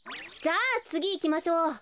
じゃあつぎいきましょう。